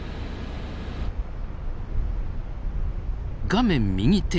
画面右手